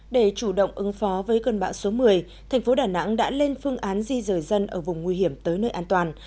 để chủ động ứng phó với cơn bão số một mươi thành phố đà nẵng đã lên phương án di rời dân ở vùng nguy hiểm tới nơi an toàn